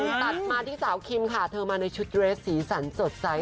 ตัดมาที่สาวคิมค่ะเธอมาในชุดเรสสีสันสดใส